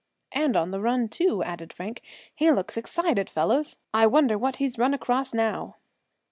"And on the run, too!" added Frank. "He looks excited, fellows. I wonder what he's run across now?"